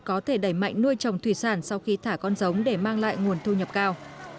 có thể đẩy mạnh nuôi trồng thủy sản sau khi thả con giống để mang lại nguồn thu nhập cao